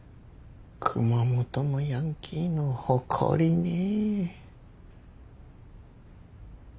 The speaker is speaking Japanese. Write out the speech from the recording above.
熊本のヤンキーの誇りねぇ。